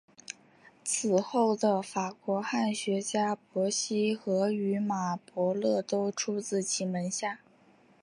此后的法国汉学家伯希和与马伯乐都出自其门下。